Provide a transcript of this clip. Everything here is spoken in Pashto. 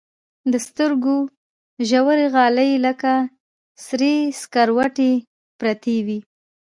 د سترګو ژورغالي لكه سرې سكروټې پرتې وي.